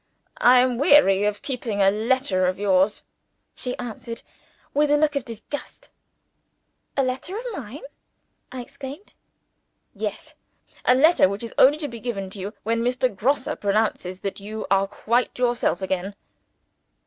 "I am weary of keeping a letter of yours," she answered, with a look of disgust. "A letter of mine!" I exclaimed. "Yes. A letter which is only to be given to you, when Mr. Grosse pronounces that you are quite yourself again."